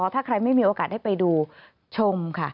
ถ้าใครไม่มีโอกาสได้ไปดูชมค่ะ